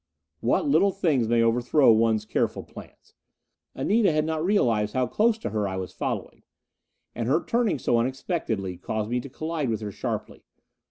What little things may overthrow one's careful plans! Anita had not realized how close to her I was following. And her turning so unexpectedly caused me to collide with her sharply.